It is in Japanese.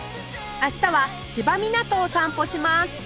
明日は千葉みなとを散歩します